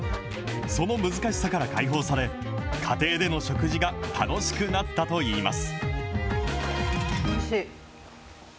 その難しさから解放され、家庭での食事が楽しくなったといいます。